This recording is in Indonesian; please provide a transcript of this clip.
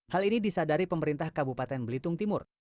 hal ini disadari pemerintah kabupaten belitung timur